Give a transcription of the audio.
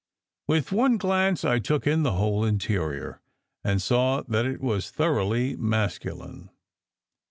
With one glance I took in the whole interior, and saw that it was thoroughly masculine.